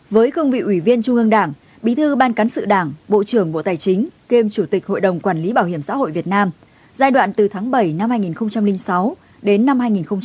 với cương vị ủy viên trung ương đảng bí thư ban cán sự đảng bộ trưởng bộ tài chính kiêm chủ tịch hội đồng quản lý bảo hiểm xã hội việt nam giai đoạn từ tháng bảy năm hai nghìn sáu đến năm hai nghìn một mươi